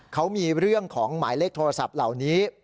เขามีเรื่องของหมายเลขโทรศัพท์เหล่านี้